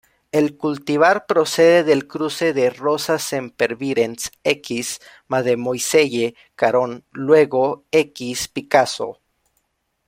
El cultivar procede del cruce de "Rosa sempervirens" x 'Mademoiselle Caron', luego x 'Picasso'.